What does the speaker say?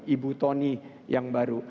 ibu tony yang baru